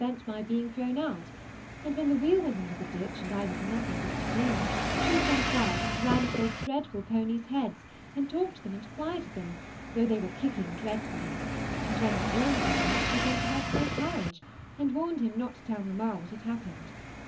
ent my being thrown out ; and when the wheel went into the ditch, and I did nothing but scream, she jumped out and ran to those dreadful ponies' heads, and talked to thmn and quieted them, though they were kicking dreadfiiUy 5 and when the groom came up, she sent him off for a carriage, and warned him not to tell mamma what had happened.